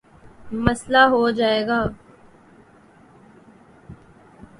مسلہ ہو جائے گا۔